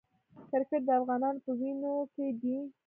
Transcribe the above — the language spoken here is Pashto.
کرکټ د افغانانو په وینو کې دی.